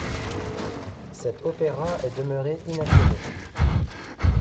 Cet opéra est demeuré inachevé.